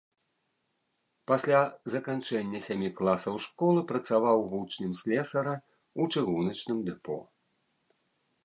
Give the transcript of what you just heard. Пасля заканчэння сямі класаў школы працаваў вучнем слесара ў чыгуначным дэпо.